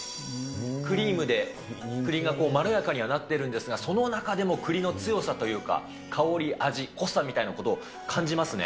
クリームで栗がまろやかにはなってるんですが、その中でも栗の強さというか香り、味、濃さみたいなことを感じますね。